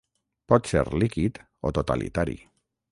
Pot ser líquid o totalitari.